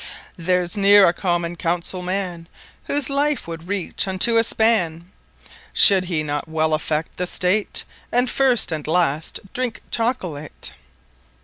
There's ne're a Common Counsell Man, Whose Life would Reach unto a Span, Should he not Well Affect the State, And First and Last Drinke Chocolate.